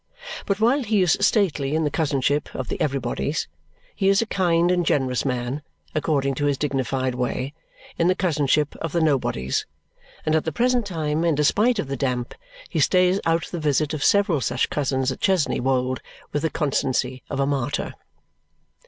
But while he is stately in the cousinship of the Everybodys, he is a kind and generous man, according to his dignified way, in the cousinship of the Nobodys; and at the present time, in despite of the damp, he stays out the visit of several such cousins at Chesney Wold with the constancy of a martyr.